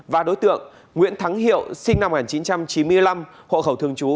và đối tượng nguyễn thắng hiệu sinh năm một nghìn chín trăm chín mươi năm hộ khẩu thường trú